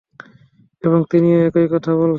এবং তিনিও একই কথা বলেছেন।